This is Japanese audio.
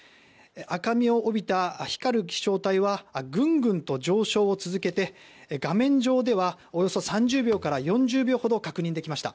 赤みを帯びた光る飛翔体はグングンと上昇を続けて画面上ではおよそ３０秒から４０秒ほど確認できました。